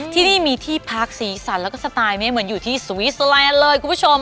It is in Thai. ที่นี่มีที่พักสีสันแล้วก็สไตล์ไม่เหมือนอยู่ที่สวิสเตอร์แลนด์เลยคุณผู้ชม